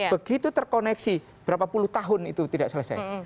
begitu terkoneksi berapa puluh tahun itu tidak selesai